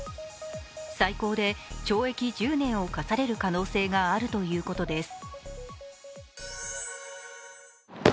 最高で懲役１０年を科される可能性があるということです。